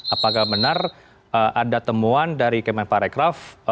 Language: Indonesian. apakah benar ada temuan dari kementerian parikraf